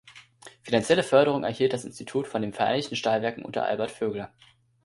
Finanzielle Förderung erhielt das Institut von den Vereinigten Stahlwerken unter Albert Vögler.